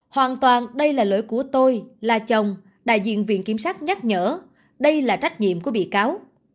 hoàn toàn đây là lỗi của tôi là chồng đại diện viện kiểm sát nhắc nhở đây là trách nhiệm của bị cáo